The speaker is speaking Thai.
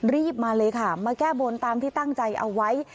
รีบมาเลยค่ะมาแก้บนตามที่ตั้งใจเอาไว้